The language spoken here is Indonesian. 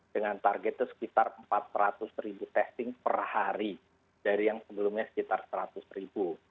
dengan target itu sekitar empat ratus ribu testing per hari dari yang sebelumnya sekitar seratus ribu